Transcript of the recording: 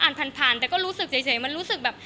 ผ่านผ่านแต่ก็รู้สึกเฉยมันรู้สึกแบบ